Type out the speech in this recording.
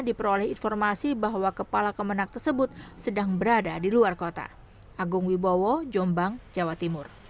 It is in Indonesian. diperoleh informasi bahwa kepala kemenang tersebut sedang berada di luar kota agung wibowo jombang jawa timur